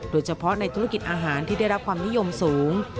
โดยเฉพาะในธุรกิจอาหารที่ได้รับความนิยมสูง